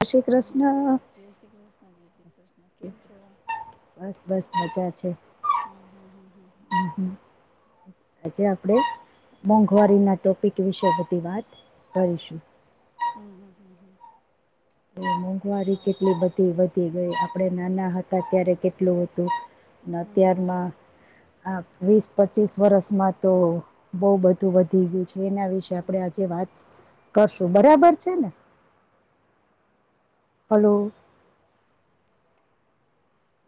જય શ્રી હમ કૃષ્ણ જય શ્રી કૃષ્ણ જય શ્રી કૃષ્ણ કેમ છો બસ બસ મજા છે હમ હમ હમ હ આજે આપણે મોંઘવારીના ટોપિક વિશે બધી વાત કરીશું હમ હમ હમ હ હું મોંઘવારી કેટલી બધી વધી ગઈ આપણે નાના હતા ત્યારે કેટલું હતું અને અત્યારના હમ હમ આ વીસ પચીસ વરષમાં તો બહવ બધું વધી ગયું છે એના વિશે હમ આપડે આજે વાત કરશું હમ બરાબર છે ને હલોો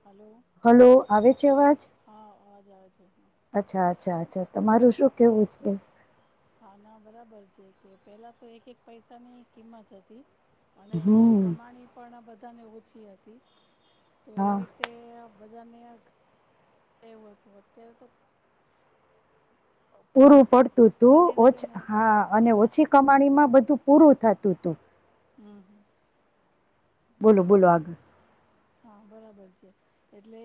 હલો હલો આવે છે હા અવાજ હા અવાજ આવે છે હા અચ્છા અચ્છા અચ્છા તમારું શું કેવું છે હા ના બરાબર છે કે પેલા તો એક એક પૈસા ની કિંમત હતી અને હમ કમાણી પણ બધા પોતાને ઓછી હતી તો હા એતે બધાનેવું હતું અત્યારે તો પૂરું પડ તું તું ફરીને ઓછ છે ને હા અને ઓછી કમાણીમાં બધું પૂરું થતું હતું હમ હ બોલો બોલો આગડ હા બરાબર છે એટલે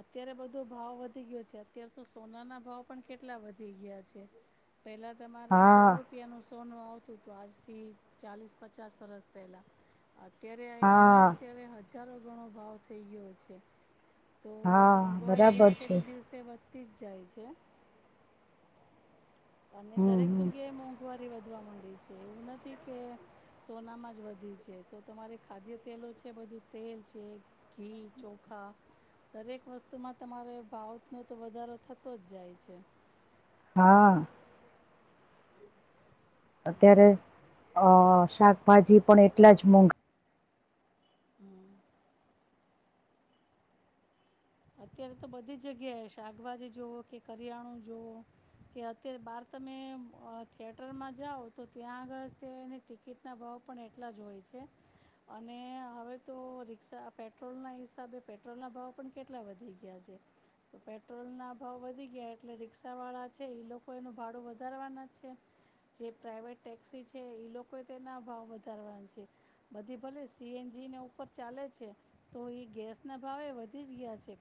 અત્યારે બધો ભાવ વધી ગયો છે અત્યારે તો સોના ના ભાવ પણ કેટલા વધી ગયા છે પેલા તમારે સો હા રૂપિયા ન સોનું આવતું હતું આજથી ચાલીસ પચાસ વરસ પહેલા અત્યારે એનો હા જવે બચારો ગણો ભાવ થઈ ગયો છે. તો હા મોંઘવારી બરાબર દિવસે છે ને દિવસે ત જ જાય છે. અને હમ દરેક હમ જગ્યાએ મોંઘવારી વધવા માંડી છે એવું નથી કે સોનામાં જ વધી છે તો તમારી ખાદ્યતેલો છે બધું તેલ છે ઘી ચોખા દરેક વસ્તુમાં તમારે ભાવનો તો વધારો થતો જ જાય છે. હા અત્યારે અ શાકભાજી પણ એટલા જ મોંઘા હમ અત્યારે તો બધી જ જગ્યાએ શાકભાજી જુઓ કે કરિયાણું જુવઓ કે અત્યારે બાર તમે થિયેટરમાં જાઓ તો ત્યાં આગળ તેની ટિકિટના ભાવ પણ એટલા જ હોય છે અને હવે તો રિક્ષા પેટ્રોલના હિસાબે પેટ્રોલના ભાવ પણ કેટલા વધી ગયા છે તો પેટ્રોલના ભાવ વધી ગયા એટલે રિક્ષાવાળા છે એ લોકો એનું ભાડું વધારવાના જ છે જે પ્રાઇવેટ ટેક્સી છે એ લોકો તેના ભાવ વધારવાના છે બધી ભલે સીએનજીને ઉપર ચાલે છે તો એ ગેસના ભાવે વધી તીજ ગયા છેે.